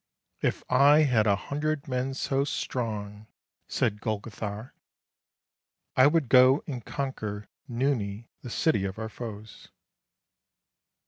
" If I had a hundred men so strong," said Golgothar, " I would go and conquer Nooni the city of our foes."